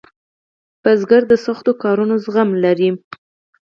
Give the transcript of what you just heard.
کروندګر د سختو کارونو زغم لري